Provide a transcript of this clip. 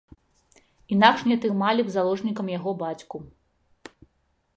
Інакш не трымалі б заложнікам яго бацьку.